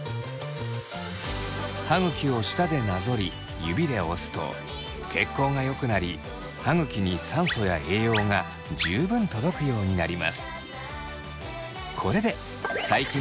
歯ぐきを舌でなぞり指で押すと血行が良くなり歯ぐきに酸素や栄養が十分届くようになります。